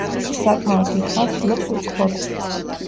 საკმაოდ დიდხანს ძლებს უწყლოდ.